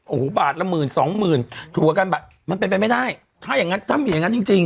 โอ้โหบาทละหมื่นสองหมื่นถั่วกันบาทมันเป็นไปไม่ได้ถ้าอย่างงั้นถ้ามีอย่างงั้นจริงจริง